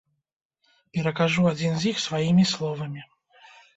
Перакажу адзін з іх сваімі словамі.